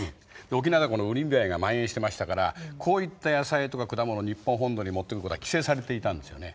沖縄ではこのウリミバエがまん延してましたからこういった野菜とか果物日本本土に持ってくることは規制されていたんですよね。